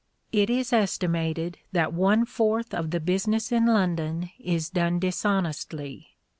It is estimated that one fourth of the business in London is done dishonestly.